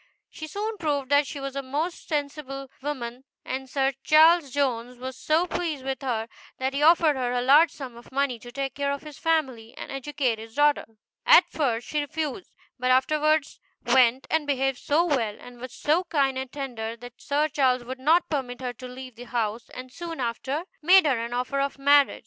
She soon proved that she was a most sensible woman, and Sir Charles Jones was so pleased with her, that he offered her a large sum of money to take care of his family, and educate his daughter. At first she refused, but afterwards went and behaved so well, and was so kind and tender, that Sir Charles would not permit her to leave the house, and soon after made her an offer of marriage.